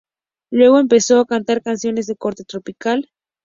Luego empezó a cantar canciones de corte tropical.